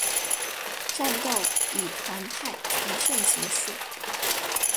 战斗以团派全胜结束。